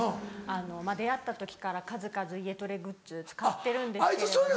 出会った時から数々家トレグッズ使ってるんですけれども。